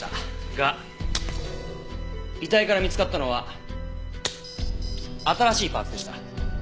が遺体から見つかったのは新しいパーツでした。